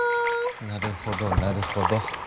なるほどなるほど。